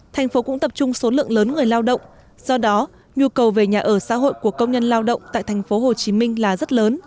thành phố cũng tập trung số lượng lớn người lao động do đó nhu cầu về nhà ở xã hội của công nhân lao động tại thành phố hồ chí minh là rất lớn